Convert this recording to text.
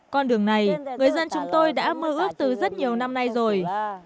con đường này người dân chúng tôi đã mơ ước từ rất nhiều năm nay rồi